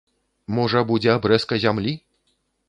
Можа, будзе абрэзка зямлі?